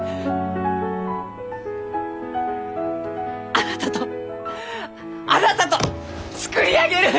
あなたとあなたと作り上げる！